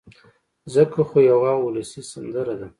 ځکه خو يوه اولسي سندره ده